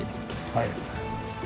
はい。